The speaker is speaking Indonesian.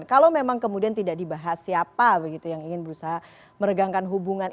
kalau memang kemudian tidak dibahas siapa begitu yang ingin berusaha meregangkan hubungan